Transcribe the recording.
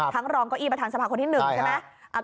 รองเก้าอี้ประธานสภาคนที่๑ใช่ไหม